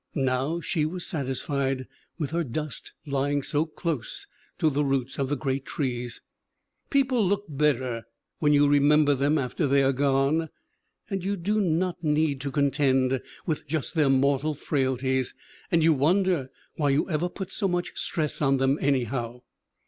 Now she was satisfied, with her dust lying so close to the roots of the great trees. People look better when you remember them after they are gone, and you do not need to contend with just their mortal frailties; and you wonder why you ever put so much stress on them anyhow.